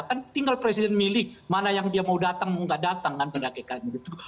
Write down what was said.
kan tinggal presiden milih mana yang dia mau datang mau nggak datang kan gitu